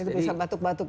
itu bisa batuk batuk